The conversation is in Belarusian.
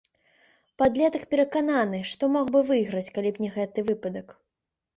Падлетак перакананы, што мог бы выйграць, калі б не гэты выпадак.